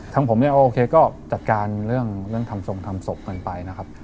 ผมเนี่ยโอเคก็จัดการเรื่องทำทรงทำศพกันไปนะครับ